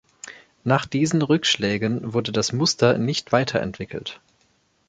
Nach diesen Rückschlägen wurde das Muster nicht weiterentwickelt.